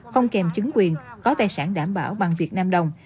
không kèm chứng quyền có tài sản đảm bảo bằng việt nam đồng